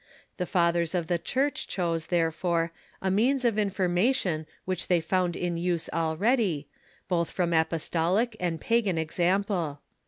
The fathers in the Church chose, therefore, a means of information which they found in use already, both from apostolic and pagan ex CHRISTIAN LIFE AND USAGES 83 ample.